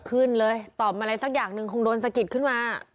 ขึ้นเลยต่อมอะไรสักอย่างหนึ่งคงโดนสะกิดขึ้นมา